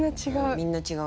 みんな違うね。